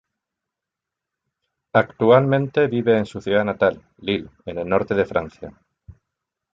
Actualmente vive en su ciudad natal, Lille, en el norte de Francia.